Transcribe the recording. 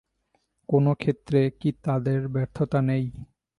কোনো ক্ষেত্রে কী তাদের ব্যর্থতা নেই?